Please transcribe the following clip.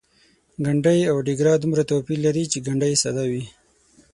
ګنډۍ او ډیګره دومره توپیر لري چې ګنډۍ ساده وي.